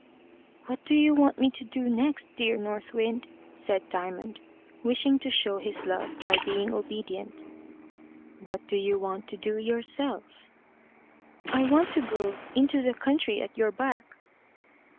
"What do you want me to do next, dear North Wind?" said Diamond, wishing to show his love by being obedient. "What do you want to do yourself?" "I want to go into the country at your back."